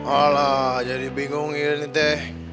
alah jadi bingungin teh